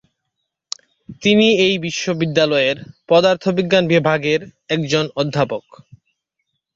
তিনি এই বিশ্ববিদ্যালয়ের পদার্থবিজ্ঞান বিভাগের একজন অধ্যাপক।